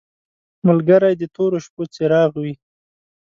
ملګری د تورو شپو څراغ وي.